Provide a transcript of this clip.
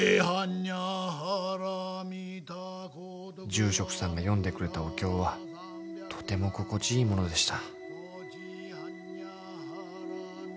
［住職さんが読んでくれたお経はとても心地いいものでした］